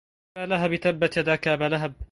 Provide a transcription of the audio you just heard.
أبا لهب تبت يداك أبا لهب